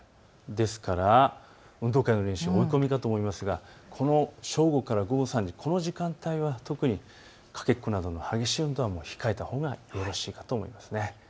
ですから運動会の練習、追い込みだと思いますが正午から午後３時、この時間帯は特にかけっこなどの激しい運動は控えたほうがよろしいかと思います。